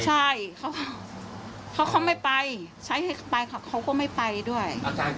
ใช่เขาไม่ไปใช้ไปเค้าก็ไม่ไปด้วย